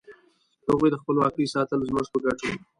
د هغوی د خپلواکۍ ساتل زموږ په ګټه وو.